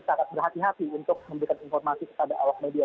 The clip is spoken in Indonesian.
sangat berhati hati untuk memberikan informasi kepada awak media